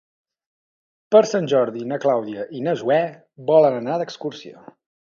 Per Sant Jordi na Clàudia i na Zoè volen anar d'excursió.